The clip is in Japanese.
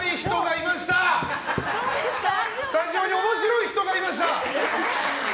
スタジオに面白い人がいました！